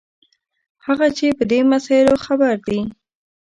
هغه چې په دې مسایلو خبر دي.